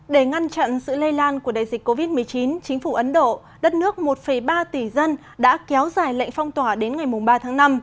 để ngăn chặn sự lây lan của đại dịch covid một mươi chín chính phủ ấn độ đất nước một ba tỷ dân đã kéo dài lệnh phong tỏa đến ngày ba tháng năm